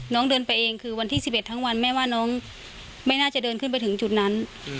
เดินไปเองคือวันที่๑๑ทั้งวันแม่ว่าน้องไม่น่าจะเดินขึ้นไปถึงจุดนั้น